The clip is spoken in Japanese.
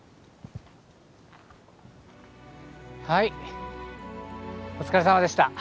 はいお疲れさまでした。